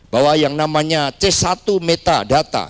bahwa yang namanya c satu metadata